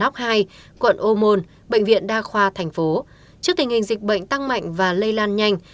trước tình hình dịch bệnh tăng mạnh và lây lan nhanh